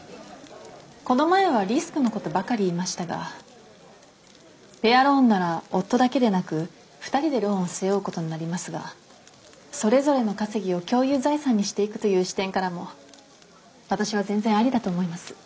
この前はリスクのことばかり言いましたがペアローンなら夫だけでなく二人でローンを背負うことになりますがそれぞれの稼ぎを共有財産にしていくという視点からも私は全然アリだと思います。